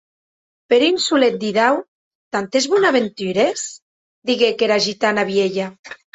Per un solet didau tantes bonaventures?, didec era gitana vielha.